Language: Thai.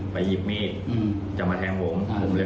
ไปหยิบมีดจะมาแทงผมผมเลยฟันเข้าข้อมือเขา